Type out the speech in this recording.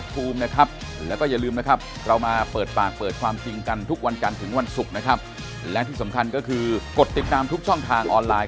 ถอยเยอะแล้วครับ